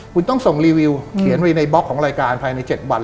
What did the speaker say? คุณต้องส่งรีวิวเขียนไว้ในบล็อกของรายการภายใน๗วัน